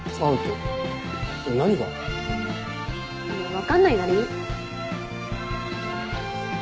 分かんないならいい。